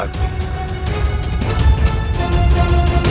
kamu tidak apa apa dinda